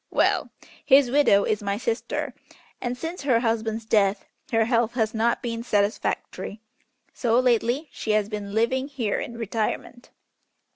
Well! his widow is my sister, and since her husband's death her health has not been satisfactory, so lately she has been living here in retirement."